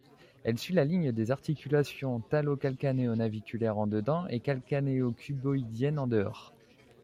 Elle suit la ligne des articulations talo-calcanéo-naviculaire en dedans et calcanéo-cuboïdienne en dehors.